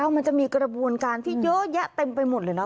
มันจะมีกระบวนการที่เยอะแยะเต็มไปหมดเลยเนอ